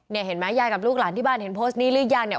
เห็นไหมยายกับลูกหลานที่บ้านเห็นโพสต์นี้หรือยังเนี่ย